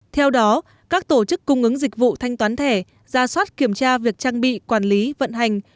theo đó các tổ chức cung ứng dịch vụ thanh toán thẻ ra soát kiểm tra việc trang bị quản lý vận hành